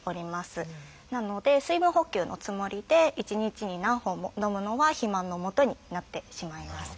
なので水分補給のつもりで１日に何本も飲むのは肥満のもとになってしまいます。